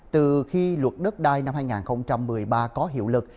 từ khi luật đất đai năm hai nghìn một mươi ba có hiệu lực